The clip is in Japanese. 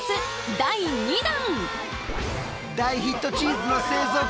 第２弾！